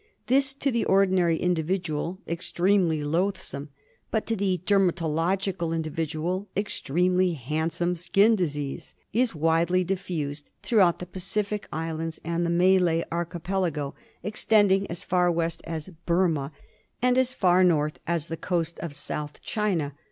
This, to the ordinary individual ex tremely loathsome, but to the dermatological individual extremely handsome, skin disease, is widely diffused throughout the Pacific Islands and the Malay Archipelago, extending as far west as Burma PINTAS. II and as far north as the coast of South China.